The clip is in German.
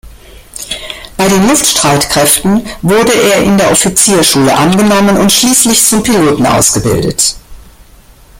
Bei den Luftstreitkräften wurde er in der Offizier-Schule angenommen und schließlich zum Piloten ausgebildet.